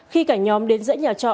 khi cả nhóm đến dãy nhà trọ